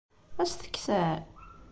Ad as-t-kksen?